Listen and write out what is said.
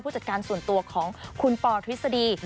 จัดการส่วนตัวของคุณปอทฤษฎี